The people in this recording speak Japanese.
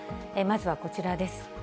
まずはこちらです。